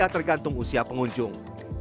tergantung usia pengunjung